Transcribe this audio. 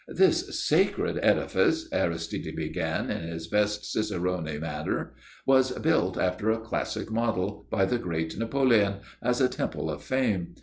"This sacred edifice," Aristide began, in his best cicerone manner, "was built, after a classic model, by the great Napoleon, as a Temple of Fame.